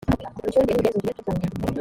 imicungire n imigenzurire by umutungo